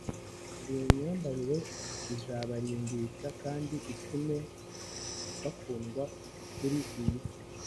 Iyo myambarire izabarimbisha kandi itume bakundwa kuri iyi si,